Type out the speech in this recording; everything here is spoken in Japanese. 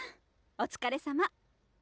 お疲れさま。